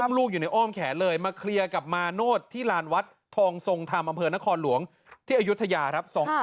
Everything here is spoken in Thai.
ลูกอยู่ในอ้อมแขนเลยมาเคลียร์กับมาโนธที่ลานวัดทองทรงธรรมอำเภอนครหลวงที่อายุทยาครับ